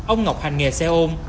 ông ngọc hành nghề xe ôn